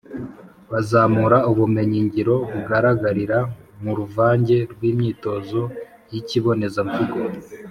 bazamura ubumenyi ngiro bugaragarira mu ruvange rw’imyitozo y’ikibonezamvugo